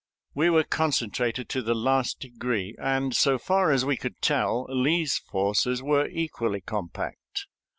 We were concentrated to the last degree, and, so far as we could tell, Lee's forces were equally compact.